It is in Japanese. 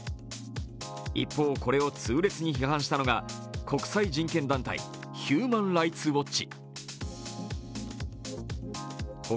一方、これを痛烈に批判したのが国際人権団体ヒューマン・ライツ・ウォッチ。